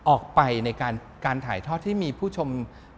ออกไปในการถ่ายทอดที่มีผู้ชม